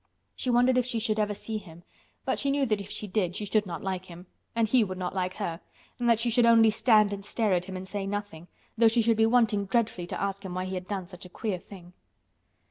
She wondered if she should ever see him, but she knew that if she did she should not like him, and he would not like her, and that she should only stand and stare at him and say nothing, though she should be wanting dreadfully to ask him why he had done such a queer thing.